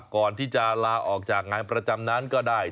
ก่อนที่จะลาออกจากงานประจำนั้นก็ได้